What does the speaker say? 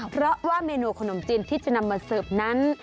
เพราะว่าเมนูขนมจีนที่จะนำมาเสิร์ฟนั้น